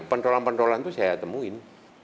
pentol pentolannya itu saya temuin